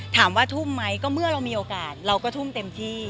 ถามว่าทุ่มไหมก็เมื่อเรามีโอกาสเราก็ทุ่มเต็มที่